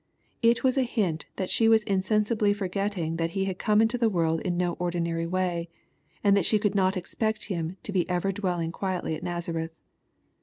It was a hint that she was insensibly forgetting that He had come into the world in no ordinary way, and that she could not expect Him to be ever dwelling quietly at Nazareth.